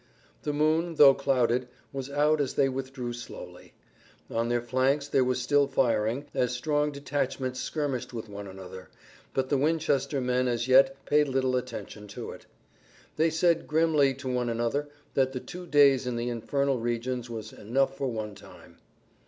The moon, though clouded, was out as they withdrew slowly. On their flanks there was still firing, as strong detachments skirmished with one another, but the Winchester men as yet paid little attention to it. They said grimly to one another that two days in the infernal regions were enough for one time.